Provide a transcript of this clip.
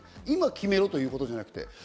今、決めろということじゃなくて。